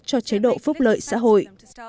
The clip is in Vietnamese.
cho chế độ phúc lợi xã hội